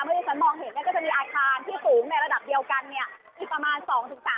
เมื่อที่ฉันมองเห็นก็จะมีอาคารที่สูงในระดับเดียวกันเนี่ย